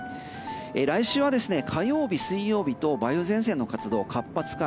来週は火曜日、水曜日と梅雨前線の活動が活発化。